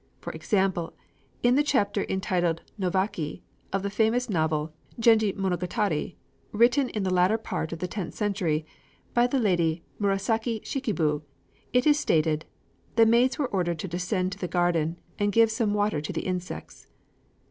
For example in the chapter entitled Nowaki of the famous novel "Genji Monogatari," written in the latter part of the tenth century by the Lady Murasaki Shikibu, it is stated: "The maids were ordered to descend to the garden, and give some water to the insects."